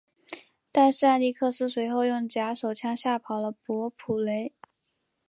但是艾力克斯随后用假手枪吓跑了伯普雷。